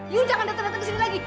yuk jangan datang datang ke sini lagi